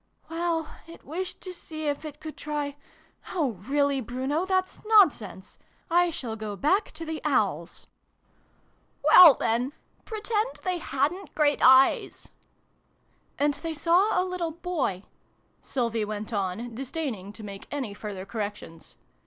" Well, it wished to see if it could try oh, really, Bruno, that's nonsense ! I shall go back to the Owls." 216 SYLVIE AND BRUNO CONCLUDED. " Well then, pretend they hadn't great eyes !"" And they saw a little Boy," Sylvie went on, disdaining to make any further corrections.